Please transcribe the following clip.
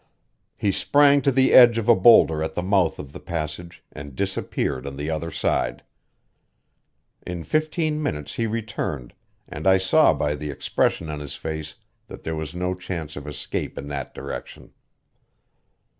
He sprang on the edge of a boulder at the mouth of the passage and disappeared on the other side. In fifteen minutes he returned, and I saw by the expression on his face that there was no chance of escape in that direction.